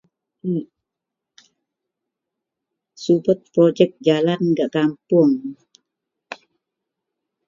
Iyek subet projek jalan gak kapoung.